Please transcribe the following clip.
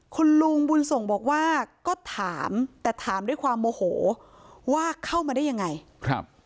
คุณลุงบุญส่งบอกว่าก็ถามแต่ถามด้วยความโมโหว่าเข้ามาได้ยังไงครับ